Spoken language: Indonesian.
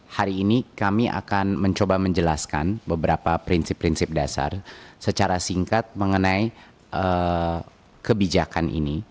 hari ini kami akan mencoba menjelaskan beberapa prinsip prinsip dasar secara singkat mengenai kebijakan ini